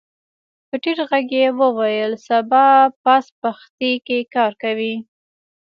په ټيټ غږ يې وويل سبا پاس پښتې کې کار کوو.